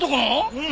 うん。